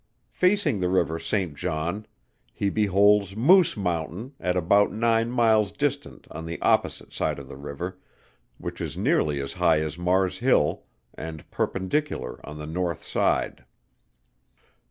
Facing the river St. John, he beholds Moose Mountain at about nine miles distant on the opposite side of the river, which is nearly as high as Mars Hill, and perpendicular on the north side.